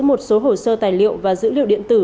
một số hồ sơ tài liệu và dữ liệu điện tử